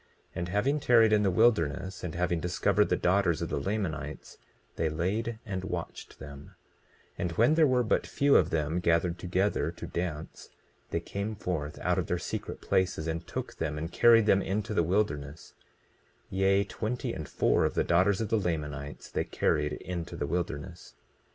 20:4 And having tarried in the wilderness, and having discovered the daughters of the Lamanites, they laid and watched them; 20:5 And when there were but few of them gathered together to dance, they came forth out of their secret places and took them and carried them into the wilderness; yea, twenty and four of the daughters of the Lamanites they carried into the wilderness.